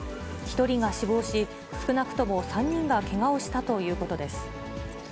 １人が死亡し、少なくとも３人がけがをしたということです。